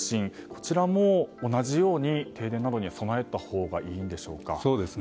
こちらも同じように停電などには備えたほうがいいんでしょうか。